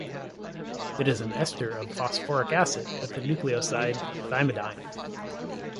It is an ester of phosphoric acid with the nucleoside thymidine.